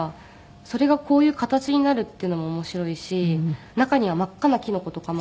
それがこういう形になるっていうのも面白いし中には真っ赤なキノコとかも。